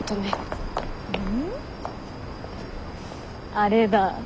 あれだ。